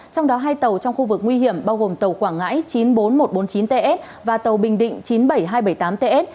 trong đó hai tàu trong khu vực nguy hiểm bao gồm tàu quảng ngãi chín mươi bốn nghìn một trăm bốn mươi chín ts và tàu bình định chín mươi bảy nghìn hai trăm bảy mươi tám ts